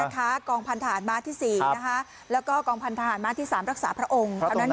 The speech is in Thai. กองพันธหารมาที่๔แล้วก็กองพันธหารมาที่๓รักษาพระองค์